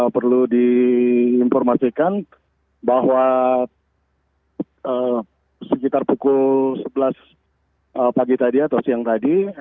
perlu diinformasikan bahwa sekitar pukul sebelas pagi tadi atau siang tadi